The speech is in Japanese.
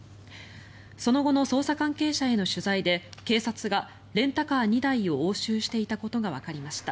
その後の捜査関係者への取材で警察がレンタカー２台を押収していたことがわかりました。